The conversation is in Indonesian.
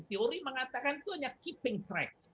teori mengatakan itu hanya keeping track